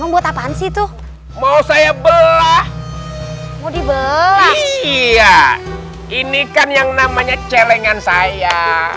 buat apaan sih tuh mau saya belah mau dibelah iya ini kan yang namanya celengan saya